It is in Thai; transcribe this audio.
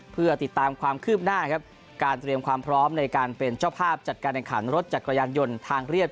เพื่อติดตามความคืบหน้าครับการเตรียมความพร้อมในการเป็นเจ้าภาพจัดการแข่งขันรถจักรยานยนต์ทางเรียบ